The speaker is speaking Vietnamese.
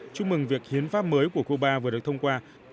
chúc mừng việc hiến pháp mới của cuba vừa được thông qua